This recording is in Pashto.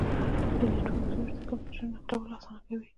د نیټورک سویچ د کمپیوټرونو نښلول اسانه کوي.